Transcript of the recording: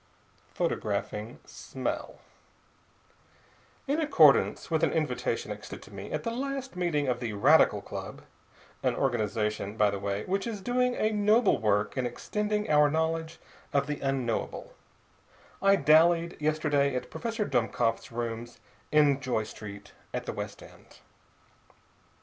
PHOTOGRAPHING SMELL In accordance with an invitation extended to me at the last meeting of the Radical Club an organization, by the way, which is doing a noble work in extending our knowledge of the Unknowable I dallied yesterday at Professor Dummkopf's rooms in Joy Street, at the West End.